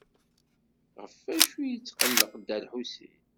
Ɣef wacu i yetqelleq Dda Lḥusin?